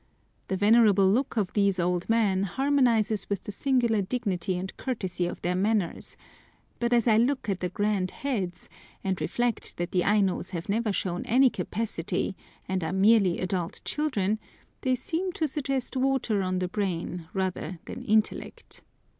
The venerable look of these old men harmonises with the singular dignity and courtesy of their manners, but as I look at the grand heads, and reflect that the Ainos have never shown any capacity, and are merely adult children, they seem to suggest water on the brain rather than intellect.